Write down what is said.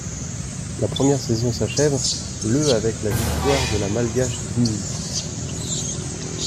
La première saison s'achève le avec la victoire de la malgache Deenyz.